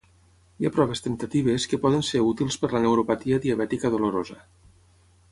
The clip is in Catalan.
Hi ha proves temptatives que poden ser útils per la neuropatia diabètica dolorosa.